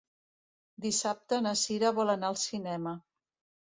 Dissabte na Cira vol anar al cinema.